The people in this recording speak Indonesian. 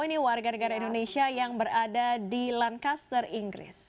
ini warga negara indonesia yang berada di lancaster inggris